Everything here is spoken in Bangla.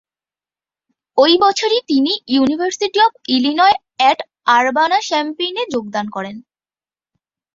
ওই বছরই তিনি university of Illinois at Urbana Champaign এ যোগদান করেন।